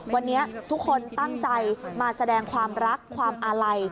วันนี้ทุกคนตั้งใจมาแสดงความรักความอาลัย